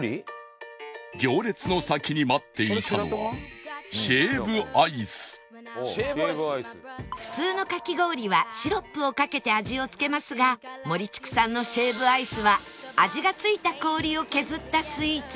行列の先に待っていたのは普通のかき氷はシロップをかけて味をつけますが ＭＯＲＩＣＨＩＫＵ さんのシェーブアイスは味がついた氷を削ったスイーツ